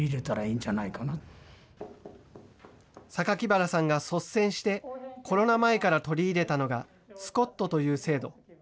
榊原さんが率先して、コロナ前から取り入れたのが、ＳＣＯＴという制度。